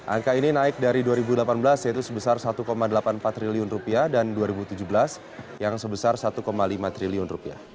angka ini naik dari dua ribu delapan belas yaitu sebesar rp satu delapan puluh empat triliun dan dua ribu tujuh belas yang sebesar rp satu lima triliun